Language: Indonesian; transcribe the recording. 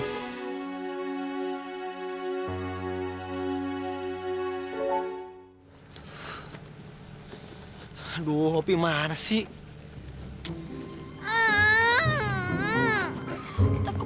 biar kamu ada temannya di sini